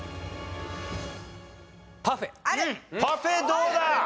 パフェどうだ？